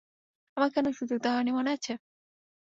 আমাকে কোনো সুযোগ দেয়নি, মনে আছে?